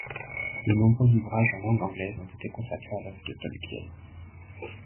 De nombreux ouvrages en langue anglaise ont été consacrés à l'œuvre de Tolkien.